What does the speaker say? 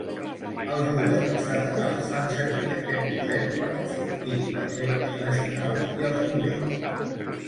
Els governs federals fan servir aquest poder per enfortir les regles nacionals i els nivells.